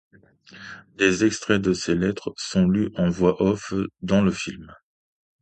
Des extraits de ces lettres sont lus en voix off dans le film.